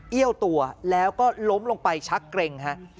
เอี้ยวตัวแล้วก็ล้มลงไปชักเกร็งฮะ